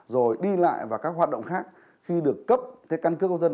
rồi đi lại vào các hoạt động khác khi được cấp cái căng cước công dân